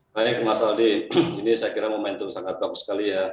baik mas aldi ini saya kira momentum sangat bagus sekali ya